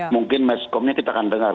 mungkin maskomnya kita akan dengar